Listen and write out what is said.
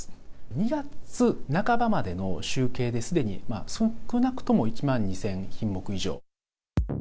２月半ばまでの集計で、すでに少なくとも１万２０００品目以上。